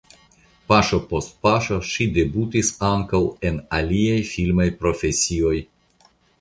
Paŝo post paŝo ŝi debutis ankaŭ en aliaj filmaj profesioj.